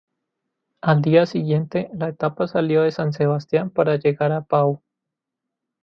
Al día siguiente la etapa salió de San Sebastián para llegar a Pau.